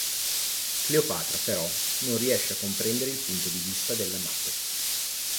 Cleopatra, però, non riesce a comprendere il punto di vista dell’amato.